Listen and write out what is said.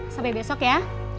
sampai besok ya